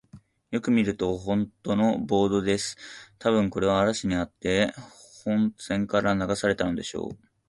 よく見ると、ほんとのボートです。たぶん、これは嵐にあって本船から流されたのでしょう。